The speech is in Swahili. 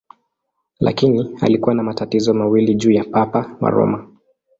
Lakini alikuwa na matatizo mawili juu ya Papa wa Roma.